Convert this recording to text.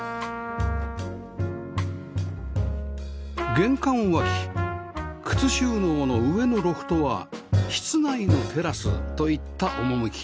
玄関脇靴収納の上のロフトは室内のテラスといった趣